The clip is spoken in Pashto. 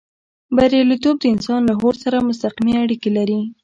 برياليتوب د انسان له هوډ سره مستقيمې اړيکې لري.